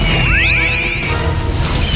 pergi ke melayu